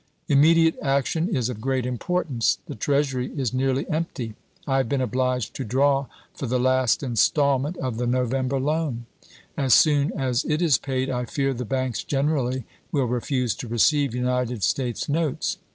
.. Immediate chap. xi. action is of great importance; the treasury is nearly empty. I have been obliged to draw for the last instal ment of the November loan. As soon as it is paid I fear the banks generally will refuse to receive United States notes.